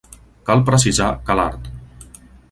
Cal precisar que l'art.